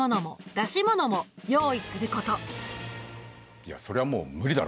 いやそりゃもう無理だろ。